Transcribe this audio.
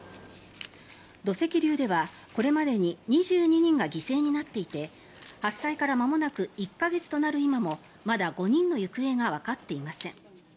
土石流ではこれまでに２２人が犠牲になっていて発災からまもなく１か月となる今もまだ５人の行方がわかっていません。